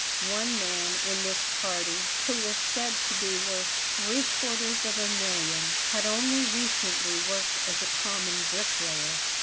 One man in this party, who was said to be worth three quarters of a million, had only recently worked as a common brick layer.